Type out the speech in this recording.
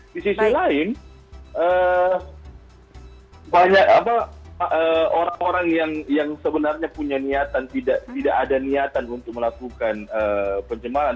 di sisi lain banyak orang orang yang sebenarnya punya niatan tidak ada niatan untuk melakukan pencemaran